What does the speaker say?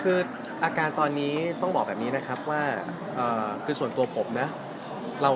คืออาการตอนนี้ต้องบอกแบบนี้นะครับว่าคือส่วนตัวผมนะ